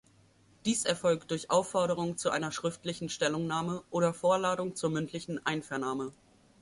Dies erfolgt durch Aufforderung zu einer schriftlichen Stellungnahme oder Vorladung zur mündlichen Einvernahme.